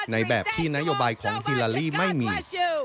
ในแบบที่นโยบายของฮิลาลีไม่มี